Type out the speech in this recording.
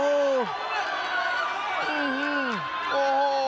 โอ้โห